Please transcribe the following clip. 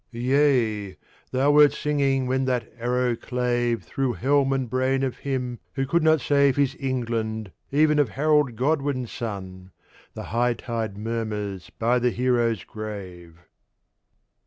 Yea, thou wert singing when that Arrow clave Through helm and brain of him who could not save His England, even of Harold Godwin's son; The high tide murmurs by the Hero's grave!